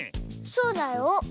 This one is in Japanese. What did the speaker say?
そうだよ。